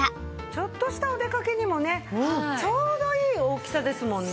ちょっとしたお出かけにもねちょうどいい大きさですもんね。